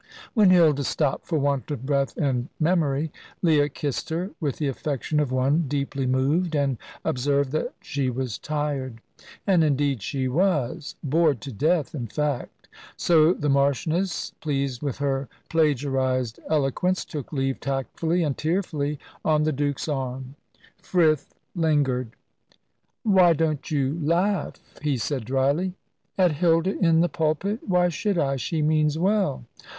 When Hilda stopped for want of breath and memory, Leah kissed her with the affection of one deeply moved, and observed that she was tired. And indeed she was bored to death, in fact. So the Marchioness, pleased with her plagiarised eloquence, took leave tactfully and tearfully on the Duke's arm. Frith lingered. "Why don't you laugh?" he said dryly. "At Hilda in the pulpit? Why should I. She means well."